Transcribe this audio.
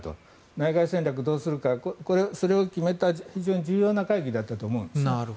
内外戦略どうするかそれを決めた非常に重要な会議だったと思うんですね。